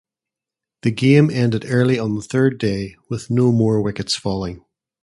The game ended early on the third day, with no more wickets falling.